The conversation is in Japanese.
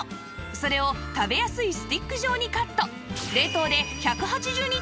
それを食べやすいスティック状にカット